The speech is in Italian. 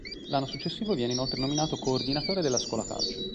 L’anno successivo viene inoltre nominato Coordinatore della Scuola Calcio.